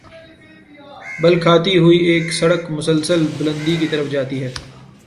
بل کھاتی ہوئی ایک سڑک مسلسل بلندی کی طرف جاتی ہے۔